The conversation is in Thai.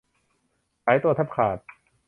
สายตัวแทบขาด